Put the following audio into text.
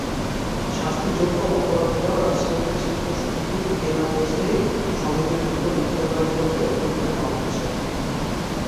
শাস্তিযোগ্য অপরাধ হলেও রাজশাহীতে শিক্ষক সমিতির কেনা প্রশ্নেই সমিতিভুক্ত বিদ্যালয়গুলোতে পরীক্ষা নেওয়া হচ্ছে।